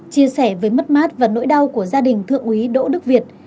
chia sẻ với mất mát và nỗi đau của gia đình thượng úy đỗ đức việt